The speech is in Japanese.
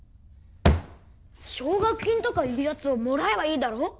奨学金とかいうやつをもらえばいいだろ